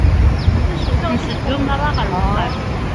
Nteddu merra ɣer uxxam.